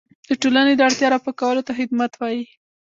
د ټولنې د اړتیاوو رفع کولو ته خدمت وایي.